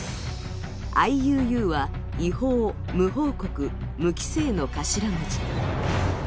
ＩＵＵは、違法・無報告・無規制の頭文字。